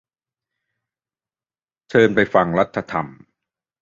เชิญไปฟัง รัฐธรรม